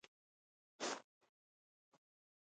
خپلواکي د ملتونو د ودې سبب ګرځي.